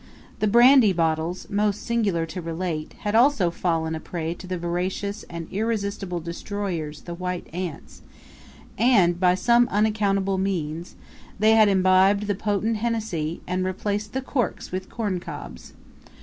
The brandy bottles, most singular to relate, had also fallen a prey to the voracious and irresistible destroyers the white ants and, by some unaccountable means, they had imbibed the potent Hennessy, and replaced the corks with corn cobs.